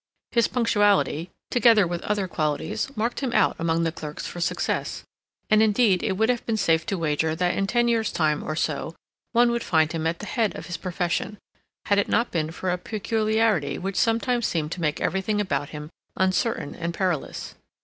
His punctuality, together with other qualities, marked him out among the clerks for success, and indeed it would have been safe to wager that in ten years' time or so one would find him at the head of his profession, had it not been for a peculiarity which sometimes seemed to make everything about him uncertain and perilous.